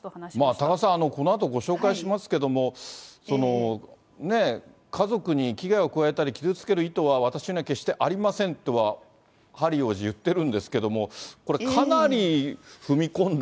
多賀さん、このあとご紹介しますけども、家族に危害を加えたり傷つける意図は私には決してありませんとは、ハリー王子、言ってるんですけれども、これ、かなり踏み込んで。